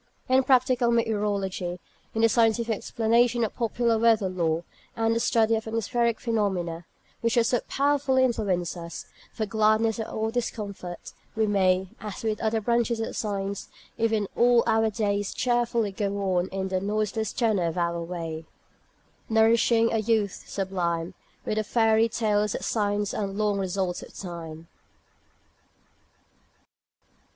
In practical meteorology, in the scientific explanation of popular weather lore, and in the study of atmospheric phenomena, which so powerfully influence us, for gladness or discomfort, we may, as with other branches of science, even all our days, cheerfully go on in "the noiseless tenor of our way," "Nourishing a youth sublime, With the fairy tales of science and the long results of time."